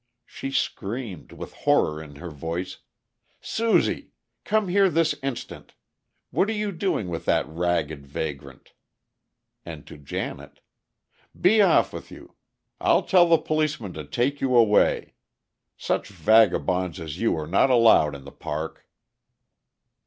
She screamed, with horror in her voice, "Susie! Come here this instant! What are you doing with that ragged vagrant?" And to Janet: "Be off with you! I'll tell the policeman to take you away. Such vagabonds as you are not allowed in the park!"